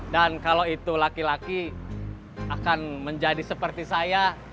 dan kalau itu laki laki akan menjadi seperti saya